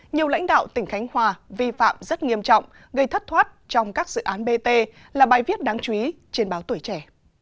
nhiều lãnh đạo tỉnh khánh hòa vi phạm rất nghiêm trọng gây thất thoát trong các dự án bt là bài viết đáng chú ý trên báo tuổi trẻ